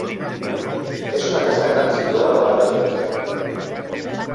És una gran casa situada davant l'església.